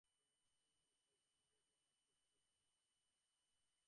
তিনি কাহারও নিন্দা করেন নাই, নিজের জন্য কিছু দাবী করেন নাই।